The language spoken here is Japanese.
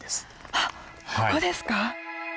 はっここですか。